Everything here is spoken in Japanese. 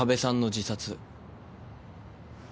自殺！？